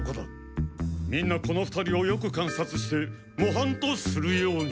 みんなこの２人をよく観察してもはんとするように。